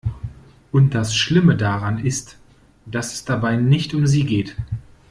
Und das Schlimme daran ist, dass es dabei nicht um sie geht.